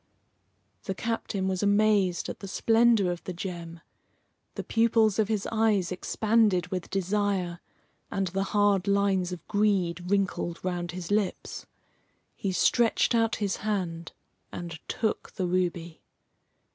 The captain was amazed at the splendour of the gem. The pupils of his eyes expanded with desire, and the hard lines of greed wrinkled around his lips. He stretched out his hand and took the ruby.